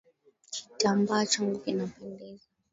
Kitambaa changu kinapendeza.